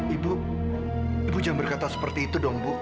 ibu ibu jangan berkata seperti itu dong bu